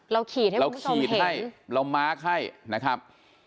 เราขีดให้คุณผู้ชมเห็นเรามาร์คให้นะครับ